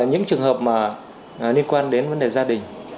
những trường hợp mà liên quan đến vấn đề gia đình